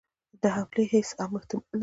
د حملې هیڅ احتمال نسته.